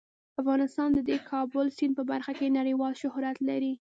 افغانستان د د کابل سیند په برخه کې نړیوال شهرت لري.